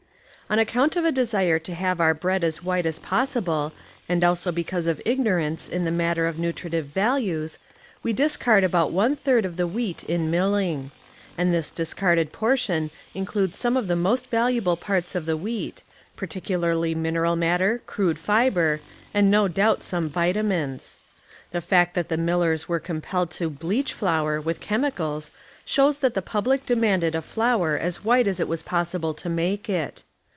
On account of a desire to have otir bread as white as pos sible and also beeavise of igiiorance in the matter of nutritive values, we discard about one third of the wheat in milling. And ™^,, this discarded portion includes some of the most , valuable parts of the wheat, partieulai'ly mineral , matter, crude fiber, and no doubt some vitamines. products The fact that the millers were compelled to "bleach" flour with chemicals shows that the public demanded a flour as white as it was possible to make it.